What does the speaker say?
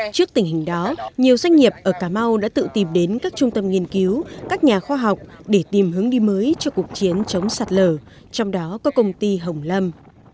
trước tình hình đó nhiều doanh nghiệp ở cà mau đã tự tìm đến các trung tâm nghiên cứu các nhà khoa học để tìm hướng đi mới cho cuộc chiến chống sạt lở trong đó có công ty hồng lâm